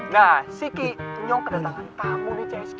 nah singkije nyok kedatangan tamu nih csq